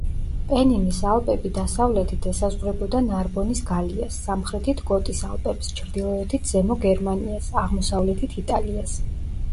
პენინის ალპები დასავლეთით ესაზღვრებოდა ნარბონის გალიას, სამხრეთით კოტის ალპებს, ჩრდილოეთით ზემო გერმანიას, აღმოსავლეთით იტალიას.